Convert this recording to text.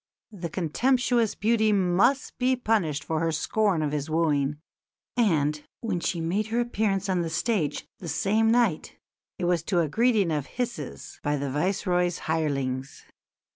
The contemptuous beauty must be punished for her scorn of his wooing; and, when she made her appearance on the stage the same night it was to a greeting of hisses by the Viceroy's hirelings.